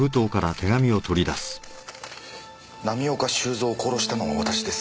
「浪岡収造を殺したのは私です」